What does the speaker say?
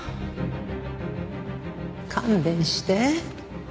勘弁して。